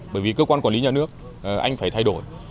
bởi vì cơ quan quản lý nhà nước anh phải thay đổi